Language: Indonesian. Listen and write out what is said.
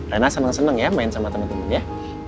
renan seneng seneng ya main sama teman teman ya